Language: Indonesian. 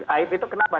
aib itu kenapa